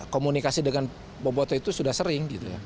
komunikasi dengan boboto itu sudah sering